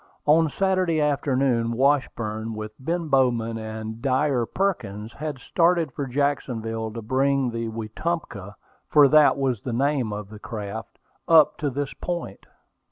On Saturday afternoon, Washburn, with Ben Bowman and Dyer Perkins, had started for Jacksonville to bring the Wetumpka, for that was the name of the craft, up to this point.